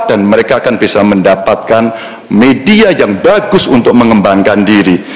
dan mereka akan bisa mendapatkan media yang bagus untuk mengembangkan diri